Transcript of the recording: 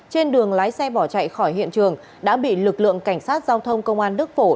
trên đường lái xe bỏ chạy khỏi hiện trường đã bị lực lượng cảnh sát giao thông công an đức phổ